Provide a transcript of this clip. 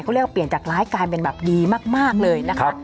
เขาเรียกว่าเปลี่ยนจากร้ายกลายเป็นแบบดีมากเลยนะคะ